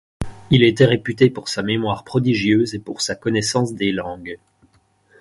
Il était réputé pour sa mémoire prodigieuse et pour sa connaissance des langues.